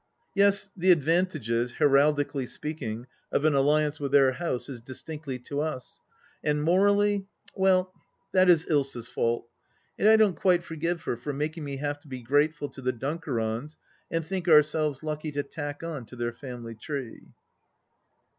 Yes, the advantages, heraldically speaking, of an alliance with their House is distinctly to us. And morally — ^well !—■ that is Ilsa's fault. And I don't quite forgive her for making me have to be grateful to the Dimkerons and think our selves lucky to tack on to their family tree.